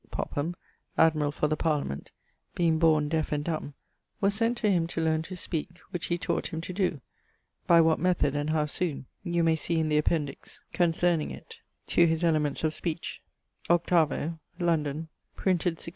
Popham, admirall for the Parliament), being borne deafe and dumbe, was sent to him to learne to speake, which he taught him to doe: by what method, and how soon, you may see in the Appendix concerning it to his Elements of Speech, 8vo, London, printed <1669>.